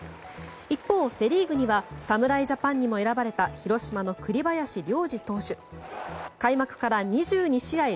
一方、セ・リーグには侍ジャパンにも選ばれた栗林良吏投手開幕から２２試合